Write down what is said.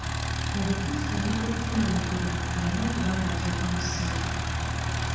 Mu butuufu omuntu okufuna mu kulima ayina okuba ng'ateekamu ssente.